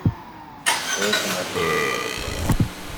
Puede tomar medidas protectoras.